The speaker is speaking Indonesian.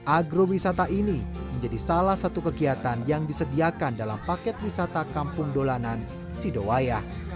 agrowisata ini menjadi salah satu kegiatan yang disediakan dalam paket wisata kampung dolanan sidowayah